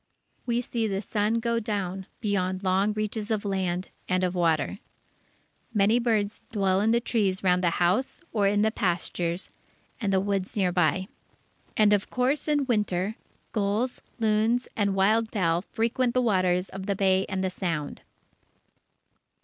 We see the sun go down beyond long reaches of land and of water. Many birds dwell in the trees round the house or in the pastures and the woods near by. And, of course, in Winter gulls, loons, and wild fowl frequent the waters of the Bay and the Sound.